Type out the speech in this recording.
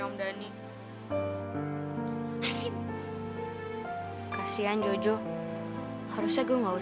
mari kita harus cari serius